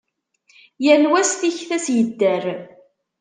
Yal wa s tikta-s yedder.